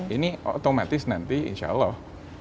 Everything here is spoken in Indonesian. ini otomatis nanti insya allah